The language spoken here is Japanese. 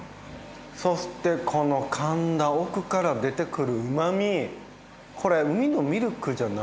そしてこのかんだ奥から出てくるうまみ！